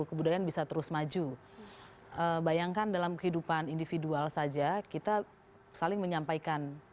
kebudayaan bisa terus maju bayangkan dalam kehidupan individual saja kita saling menyampaikan